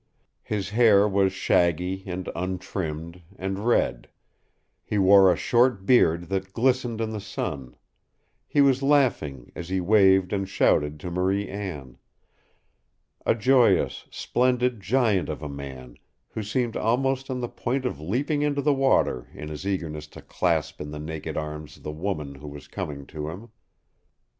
His hair was shaggy, and untrimmed, and red; he wore a short beard that glistened in the sun he was laughing as he waved and shouted to Marie Anne a joyous, splendid giant of a man who seemed almost on the point of leaping into the water in his eagerness to clasp in his naked arms the woman who was coming to him.